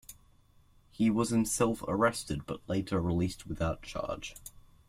He was himself arrested but later released without charge.